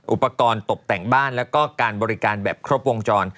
อุปกรณ์ตกแต่งบ้านแล้วก็การบริการแบบครบวงจร